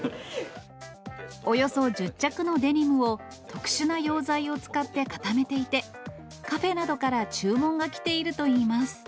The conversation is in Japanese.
およそ１０着のデニムを特殊な溶剤を使って固めていて、カフェなどから注文が来ているといいます。